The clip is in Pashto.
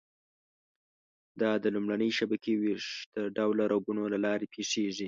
دا د لومړنۍ شبکې ویښته ډوله رګونو له لارې پېښېږي.